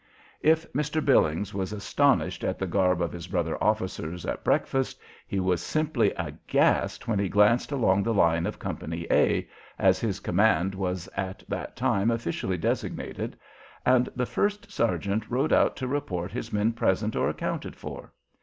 If Mr. Billings was astonished at the garb of his brother officers at breakfast, he was simply aghast when he glanced along the line of Company "A" (as his command was at that time officially designated) and the first sergeant rode out to report his men present or accounted for.